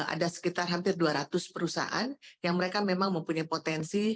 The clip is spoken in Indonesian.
ada sekitar hampir dua ratus perusahaan yang mereka memang mempunyai potensi